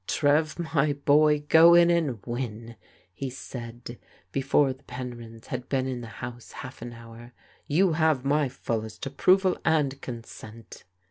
" Trev, my boy, go in and win !" he said before the Penryns had been in the house half an hour. " You have my fullest approval and consent."